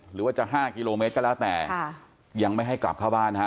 หรือว่าจะ๕กิโลเมตรก็แล้วแต่ยังไม่ให้กลับเข้าบ้านนะฮะ